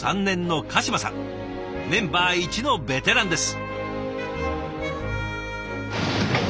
メンバーいちのベテランです。